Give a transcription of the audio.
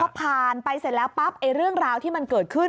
พอผ่านไปเสร็จแล้วปั๊บเรื่องราวที่มันเกิดขึ้น